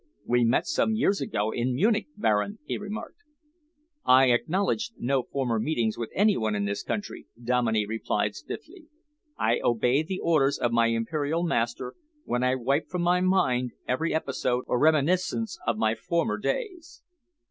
"We met some years ago in Munich, Baron," he remarked. "I acknowledge no former meetings with any one in this country," Dominey replied stiffly. "I obey the orders of my Imperial master when I wipe from my mind every episode or reminiscence of my former days."